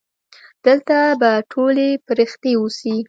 دلته به ټولې پرښتې اوسي.